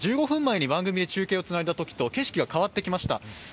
１５分前に番組とお伝えしたときと景色が変わってきました。